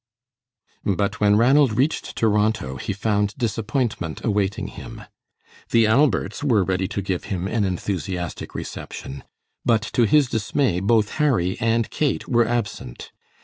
But when Ranald reached Toronto, he found disappointment awaiting him. The Alberts were ready to give him an enthusiastic reception, but to his dismay both Harry and Kate were absent.